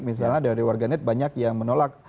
misalnya dari warganet banyak yang menolak